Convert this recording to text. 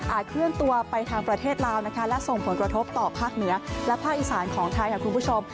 เคลื่อนตัวไปทางประเทศลาวนะคะและส่งผลกระทบต่อภาคเหนือและภาคอีสานของไทยค่ะคุณผู้ชม